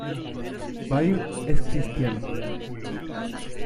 Baird es cristiano.